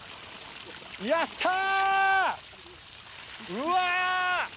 うわ！